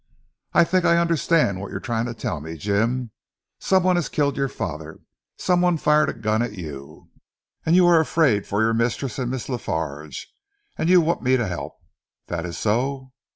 "I think I understand what you are trying to tell me, Jim. Some one has killed your father. Some one fired a gun at you, and you are afraid for your mistress and Miss La Farge and you want me to help. That is so?